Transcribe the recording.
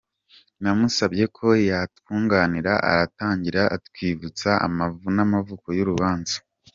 Namusabye ko yatwunganira. Aratangira atwibutsa amavu n’amavuko y’uru rubanza.